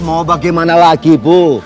mau bagaimana lagi bu